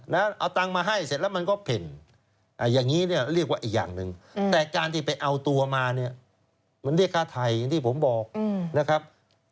เอาตังค์มาให้เสร็จแล้วมันก็เพ่นอย่างนี้เนี่ยเรียกว่าอีกอย่างหนึ่งแต่การที่ไปเอาตัวมาเนี่ยมันเรียกค่าไทยอย่างที่ผมบอกนะครับ